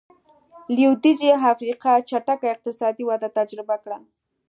لوېدیځې افریقا چټکه اقتصادي وده تجربه کړه.